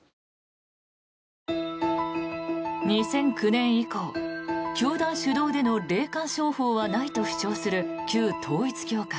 ２００９年以降教団主導での霊感商法はないと主張する旧統一教会。